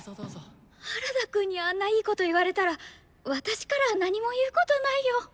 原田くんにあんないいこと言われたら私からは何も言うことないよ。